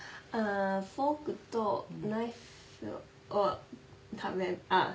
フォークとナイフを食べあっ。